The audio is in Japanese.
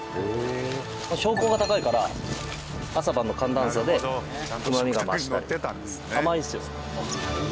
標高が高いから朝晩の寒暖差でうまみが増したり。